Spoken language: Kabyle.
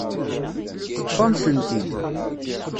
Teṭṭef-am-tent-id.